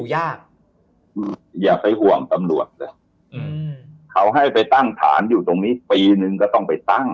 อย่าไปห่วงตำรวจเขาให้ไปตั้งฐานอยู่ตรงนี้ปีนึงก็ต้อง